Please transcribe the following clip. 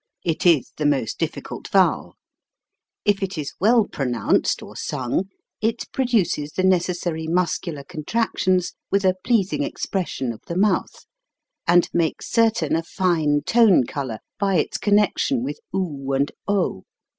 It is the most difficult vowel. If it is well pronounced, or sung, it produces the necessary muscular con tractions with a pleasing expression of the mouth, and makes certain a fine tone color by its connection with ob and o.